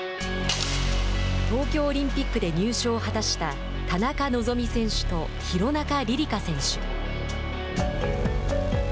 東京オリンピックで入賞を果たした田中希実選手と廣中璃梨佳選手。